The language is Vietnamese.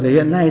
thì hiện nay